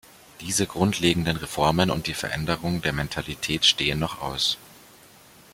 Diese grundlegenden Reformen und die Veränderung der Mentalität stehen noch aus.